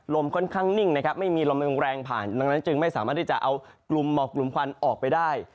ค่อนข้างนิ่งนะครับไม่มีลมแรงผ่านดังนั้นจึงไม่สามารถที่จะเอากลุ่มหมอกกลุ่มควันออกไปได้